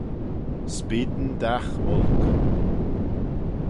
S'beayn dagh olk